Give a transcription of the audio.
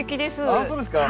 あっそうですか！